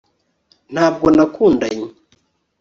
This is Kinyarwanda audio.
ntabwo nakundanye